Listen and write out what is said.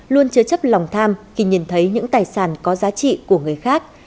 luôn chứa chấp lòng tham khi nhìn thấy những tài sản có giá trị của người khác